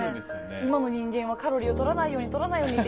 今も人間はカロリーをとらないようにとらないようにやってるのに。